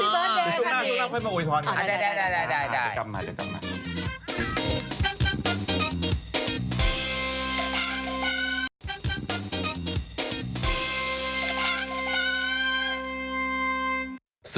ไม่ได้